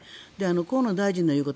河野大臣の言うこと